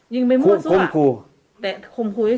ยิงไปหมวดซั่วแต่ผมคุยเฉยแล้ว